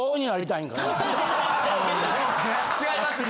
違います。